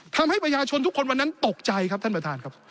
ทำให้ประชาชนทุกคนวันนั้นตกใจครับท่านประธานครับ